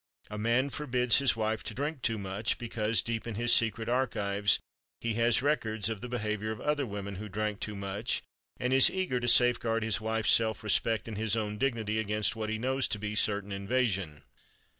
A man forbids his wife to drink too much because, deep in his secret archives, he has records of the behavior of other women who drank too much, and is eager to safeguard his wife's self respect and his own dignity against what he knows to be certain invasion.